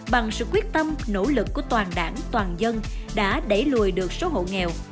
bằng sự quyết tâm nỗ lực của toàn đảng toàn dân đã đẩy lùi được số hộ nghèo